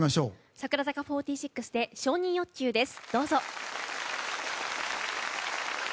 櫻坂４６で「承認欲求」です。